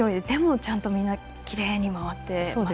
でも、ちゃんときれいに回って。